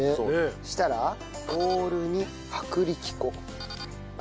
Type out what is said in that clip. そしたらボウルに薄力粉あ